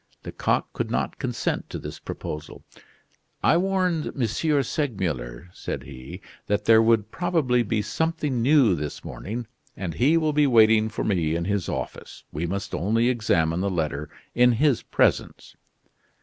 Lecoq could not consent to this proposal. "I warned M. Segmuller," said he, "that there would probably be something new this morning; and he will be waiting for me in his office. We must only examine the letter in his presence."